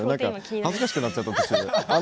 恥ずかしくなっちゃった。